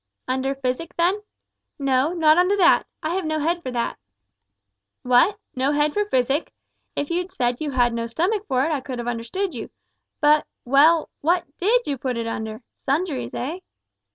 "Under physic, then?" "No, not under that. I have no head for that." "What! no head for physic? If you'd said you had no stomach for it I could have understood you; but well what did you put it under; sundries, eh?"